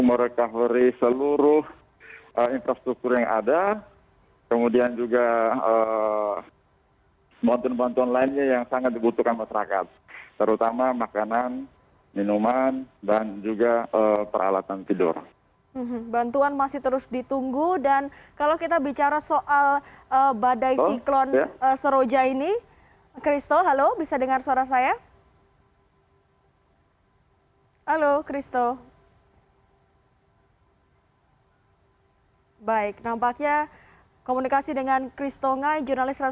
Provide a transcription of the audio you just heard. masih belum terangkat